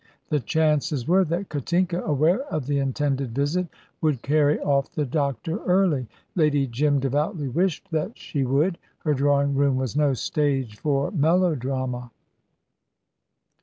The chances were that Katinka, aware of the intended visit, would carry off the doctor early. Lady Jim devoutly wished that she would. Her drawing room was no stage for melodrama.